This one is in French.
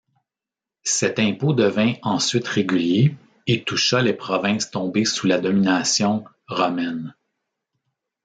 Cet impôt devint ensuite régulier et toucha les provinces tombées sous la domination romaine.